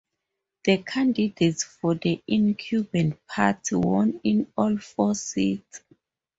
The candidates for the incumbent party won in all four seats.